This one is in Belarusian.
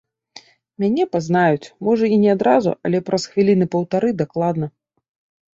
Мяне пазнаюць, можа, і не адразу, але праз хвіліны паўтары дакладна.